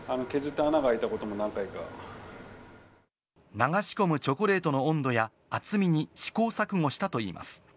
流し込むチョコレートの温度や厚みに試行錯誤したといいます。